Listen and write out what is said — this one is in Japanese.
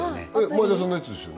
前田さんのやつですよね